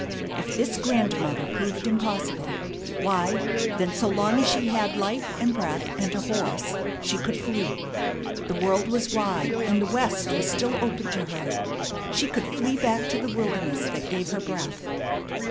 If this grandmother proved impossible, why, then so long as she had life and breath and a horse she could flee. The world was wide, and the West was still open to her. She could flee back to the wilderness that gave her breath.